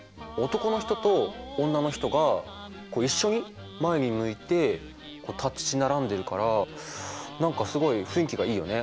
男の人と女の人がこう一緒に前に向いて立ち並んでるから何かすごい雰囲気がいいよね。